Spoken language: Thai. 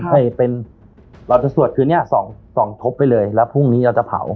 ให้เป็นเราจะสวดคือเนี่ยส่องทบไปเลยแล้วพรุ่งนี้เราจะเผา